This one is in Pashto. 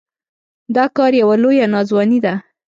دا کار يوه لويه ناځواني ده.